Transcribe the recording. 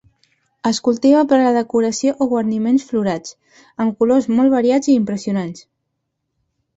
Es cultiva per a la decoració o guarniments florals, amb colors molt variats i impressionants.